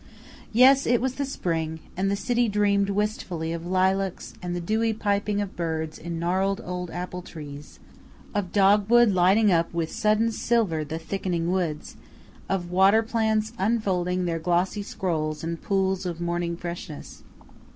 Yes, it was the spring, and the city dreamed wistfully of lilacs and the dewy piping of birds in gnarled old apple trees, of dogwood lighting up with sudden silver the thickening woods, of water plants unfolding their glossy scrolls in pools of morning freshness.